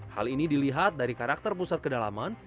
hal ini dilihat dari karakter pusat kedalaman